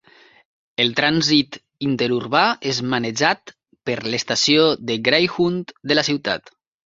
El trànsit interurbà és manejat per l'estació de Greyhound de la ciutat.